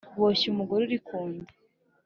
boshye umugore uri ku nda.